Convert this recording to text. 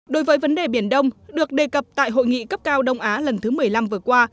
đối với vấn đề biển đông được đề cập tại hội nghị cấp cao đông á lần thứ một mươi năm vừa qua